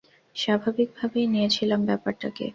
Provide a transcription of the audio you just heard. স্বাভাবিক ভাবেই নিয়েছিলাম ব্যাপারটাকে।